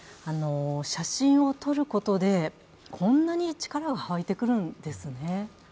写真を撮ることでこんなに力が沸いてくるんですね。